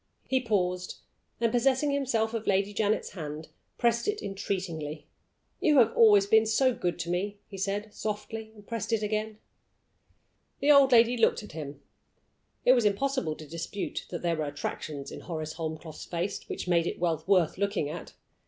He paused, and possessing himself of Lady Janet's hand, pressed it entreatingly. "You have always been so good to me," he said, softly, and pressed it again. The old lady looked at him. It was impossible to dispute that there were attractions in Horace Holmcroft's face which made it well worth looking at.